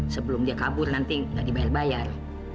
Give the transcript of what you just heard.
sebelum dia kabur nanti nggak dibayar bayar